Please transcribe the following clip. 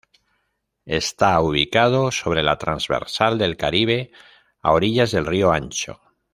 Está ubicado sobre la Transversal del Caribe, a orillas del Río Ancho.